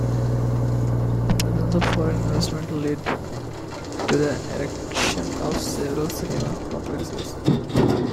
The presence of foreign investments led to the erection of several cinema complexes.